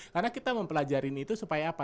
karena kita mempelajarin itu supaya apa